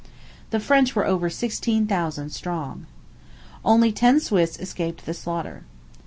The French were over sixteen thousand strong. Only ten Swiss escaped the slaughter.